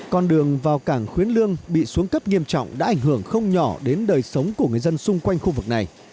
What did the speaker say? con đường vào cảng khuyến lương bị xuống cấp nghiêm trọng đã ảnh hưởng không nhỏ đến đời sống của người dân xung quanh khu vực này